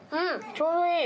ちょうどいい。